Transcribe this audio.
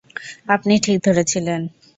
আপনি ঠিক ধরেছিলেন।